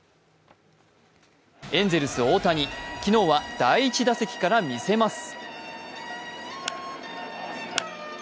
エンゼルス・大谷、昨日は第１打席から見せます。